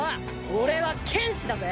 俺は剣士だぜ。